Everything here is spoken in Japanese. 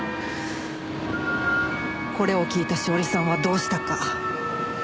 これを聞いた詩織さんはどうしたか？